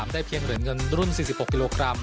ได้เพียงเหรียญเงินรุ่น๔๖กิโลกรัม